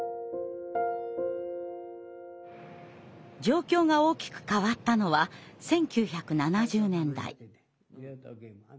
状況が大きく変わったのは１９７０年代。